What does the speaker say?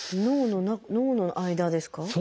脳の間ですか？